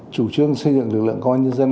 chủ trương xây dựng lực lượng công an nhân dân